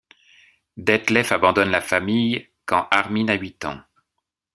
Detlef abandonne la famille quand Armin a huit ans.